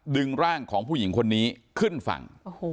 ดึงร่างของผู้หญิงคนนี้ขึ้นฝั่ง